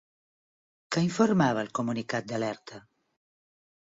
Què informava el comunicat d'alerta?